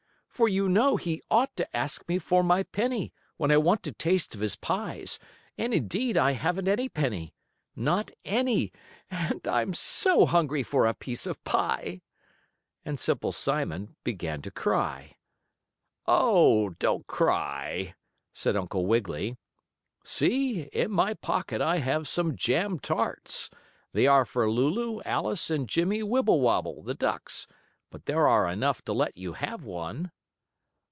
"For you know he ought to ask me for my penny, when I want to taste of his pies, and indeed, I haven't any penny not any, and I'm so hungry for a piece of pie!" And Simple Simon began to cry. "Oh, don't cry," said Uncle Wiggily. "See, in my pocket I have some jam tarts. They are for Lulu, Alice and Jimmie Wibblewobble, the ducks, but there are enough to let you have one."